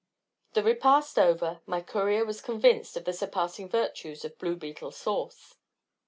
The repast over, my courier was convinced of the surpassing virtues of blue beetle sauce.